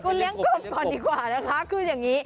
คุณเลี้ยงกบก่อนดีกว่านะคะคืออย่างนี้